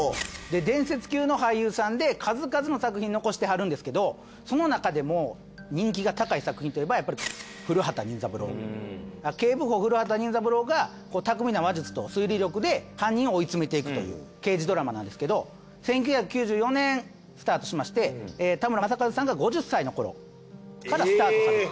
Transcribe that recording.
伝説級の俳優さんで数々の作品残してはるんですけどそのなかでも人気が高い作品といえばやっぱり『古畑任三郎』警部補古畑任三郎が巧みな話術と推理力で犯人を追い詰めていくという刑事ドラマなんですけど１９９４年スタートしまして田村正和さんが５０歳のころからスタートする。